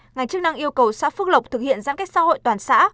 ngành chức năng yêu cầu xã phước lộc thực hiện giãn cách xã hội toàn xã